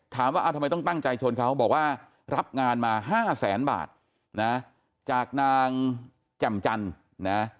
ถามว่าทำไมต้องตั้งใจชนเขาบอกว่ารับงานมาห้าแสนบาทนะจากนางแจ่มจันทร์นะ